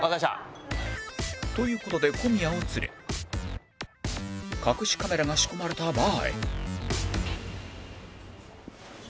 という事で小宮を連れ隠しカメラが仕込まれたバーへ